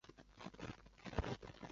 圣克里斯托夫德杜布尔。